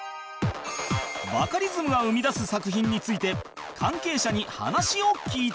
バカリズムが生み出す作品について関係者に話を聞いた